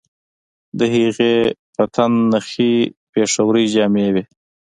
د هغې په تن نخي پېښورۍ جامې وې